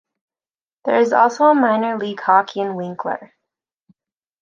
There is also a minor league hockey in Winkler.